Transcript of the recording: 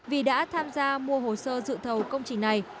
vì đã tham gia mua hồ sơ dự thầu công trình này